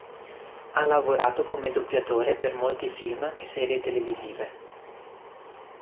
Ha lavorato come doppiatore per molti film e serie televisive.